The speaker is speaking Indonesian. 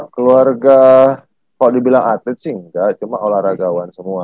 keluarga kalau dibilang atlet sih enggak cuma olahragawan semua